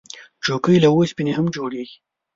چوکۍ له اوسپنې هم جوړیږي.